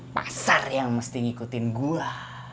pasar yang mesti ngikutin gue